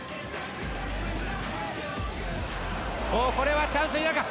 これはチャンスになるか。